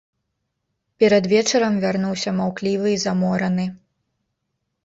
Перад вечарам вярнуўся маўклівы і замораны.